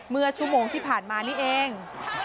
เมื่อชั่วโมงที่ผ่านมานี่เอง